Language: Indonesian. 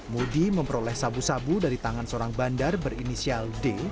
moody memperoleh sabu sabu dari tangan seorang bandar berinisial d